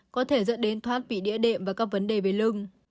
có thể dẫn đến thoát bị địa điểm và các vấn đề về lưng